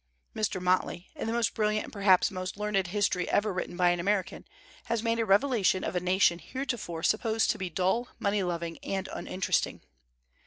Mr. Motley, in the most brilliant and perhaps the most learned history ever written by an American, has made a revelation of a nation heretofore supposed to be dull, money loving, and uninteresting.